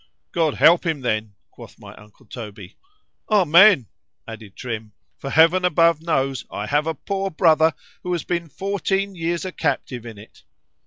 God help him then, quoth my uncle Toby. Amen, added Trim; for Heaven above knows, I have a poor brother who has been fourteen years a captive in it.